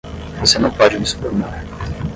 Você não pode me subornar.